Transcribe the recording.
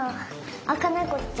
あかないこっち。